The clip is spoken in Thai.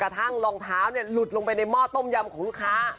กระทั่งรองเท้าหลุดลงไปในหม้อต้มยำของลูกค้า